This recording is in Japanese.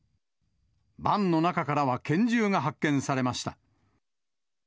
バンの中からは拳銃が発見されました。